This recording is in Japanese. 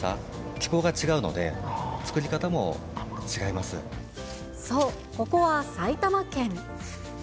気候が違うので、そう、ここは埼玉県。